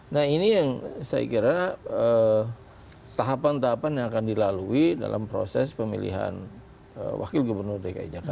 nah ini yang saya kira tahapan tahapan yang akan dilalui dalam proses pemilihan wakil gubernur dki jakarta